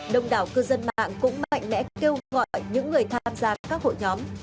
đông đảo cư dân mạng cũng mạnh mẽ kêu gọi những người tham gia các hội nhóm